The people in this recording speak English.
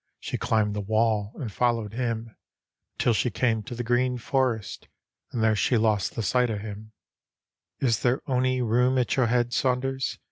She climbed the wall, and followed him. Until she came to the green forest. And there she lost the sight o' him. " Is there ony room at your head, Saunders?